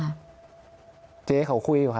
พี่พร้อมทิพย์คิดว่าคุณพิชิตคิด